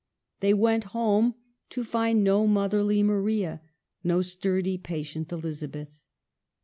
They went home to find no motherly Maria, no sturdy, patient Elizabeth.